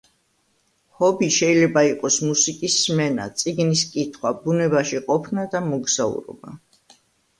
ჰობი შეიძლება იყოს მუსიკის სმენა, წიგნის კითხვა, ბუნებაში ყოფნა და მოგზაურობა.